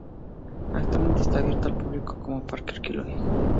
Actualmente está abierto al público como Parque Arqueológico.